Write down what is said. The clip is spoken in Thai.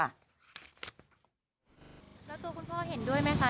แล้วตัวคุณพ่อเห็นด้วยไหมคะ